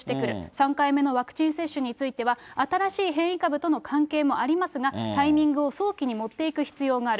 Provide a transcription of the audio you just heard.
３回目のワクチン接種については、新しい変異株との関係もありますが、タイミングを早期に持っていく必要がある。